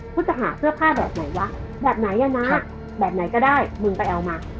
คุณจะหาเสื้อผ้าแบบไหนวะแบบไหนอ่ะนะแบบไหนก็ได้มึงไปเอามา